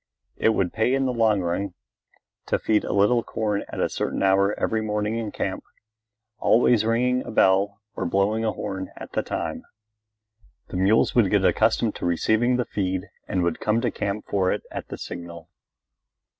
It would pay in the long run to feed a little corn at a certain hour every morning in camp, always ringing a bell or blowing a horn at the time. The mules would get accustomed to receiving the feed and would come to camp for it at the signal.